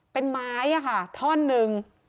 เป็นไม้อะค่ะท่อนนึง